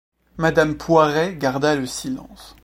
Madame Poiret garda le silence.